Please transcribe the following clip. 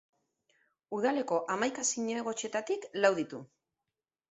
Udaleko hamaika zinegotzietatik lau ditu.